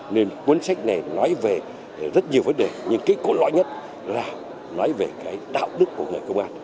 nên cuốn sách này nói về rất nhiều vấn đề nhưng cái cốt lõi nhất là nói về cái đạo đức của người công an